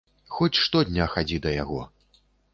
Хоць штодня хадзі да яго.